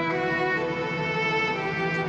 kamu mau jual mobil aku